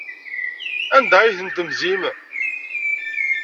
Anda ay ten-temzim?